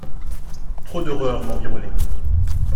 Trop d'horreurs m'environnaient.